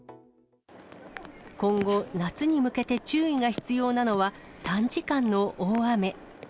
今後、夏に向けて注意が必要なのは、短時間の大雨。